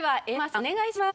お願いします。